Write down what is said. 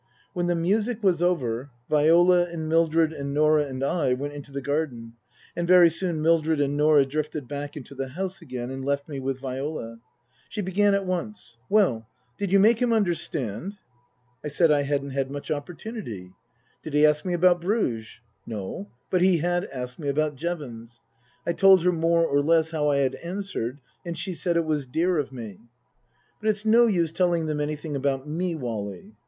When the music was over Viola and Mildred and Norah and I went into the garden, and very soon Mildred and Norah drifted back into the house again and left me with Viola. She began at once, " Well did you make him under stand ?" I said I hadn't had much opportunity. Book I : My Book 99 Did he ask me about Bruges ? No, but he had asked me about Jevons. I told her more or less how I had answered, and she said it was dear of me. " But it's no use telling them anything about me, Wally."